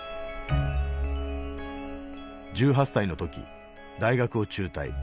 １８歳の時大学を中退。